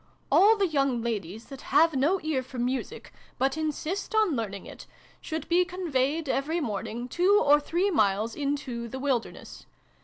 " All the young ladies, that have no ear for music, but insist on learning it, should be conveyed, every morning, two or three miles into the wilderness.